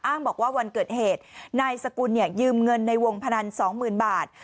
บอกว่าวันเกิดเหตุนายสกุลยืมเงินในวงพนัน๒๐๐๐บาท